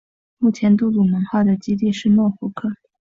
目前杜鲁门号的基地是诺福克。